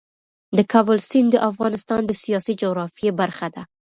د کابل سیند د افغانستان د سیاسي جغرافیې برخه ده.